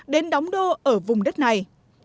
đến đóng đô ở vùng đất này